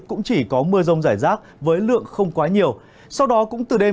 cũng chỉ có mưa rông rải rác với lượng không quá nhiều sau đó cũng từ đêm